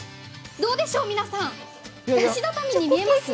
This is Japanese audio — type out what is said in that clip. どうでしょう、皆さん石畳に見えます？